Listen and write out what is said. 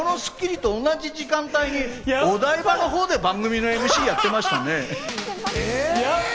実は僕の親友はこの『スッキリ』と同じ時間帯にお台場のほうで番組のＭＣをやってましたね。